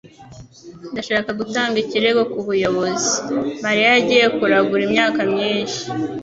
Ndashaka gutanga ikirego kubuyobozi. Mariya yagiye kuragura imyaka myinshi.